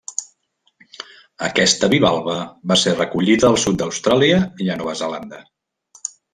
Aquesta bivalva va ser recollida al sud d’Austràlia i a Nova Zelanda.